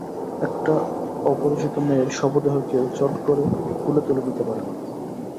একটা অপরিচিত মেয়ের শবদেহ কেউ চট করে কোলে তুলে নিতে পারে না।